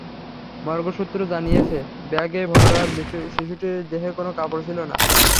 Morgue সূত্র জানিয়েছে, ব্যাগে ভরা শিশুটির দেহে কোনো কাপড় ছিল না।